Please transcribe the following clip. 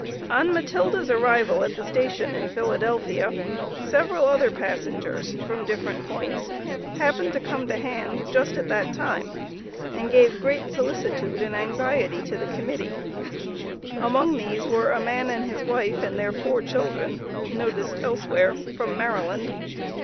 On Matilda's arrival at the station in Philadelphia, several other passengers from different points, happened to come to hand just at that time, and gave great solicitude and anxiety to the Committee. Among these were a man and his wife and their four children, (noticed elsewhere), from Maryland.